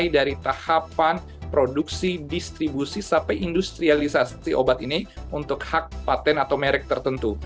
dari tahapan produksi distribusi sampai industrialisasi obat ini untuk hak patent atau merek tertentu